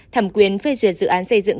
thẩm quyền phê duyệt dự án xây dựng